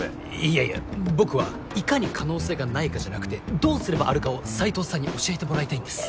いやいや僕はいかに可能性がないかじゃなくてどうすればあるかを斎藤さんに教えてもらいたいんです。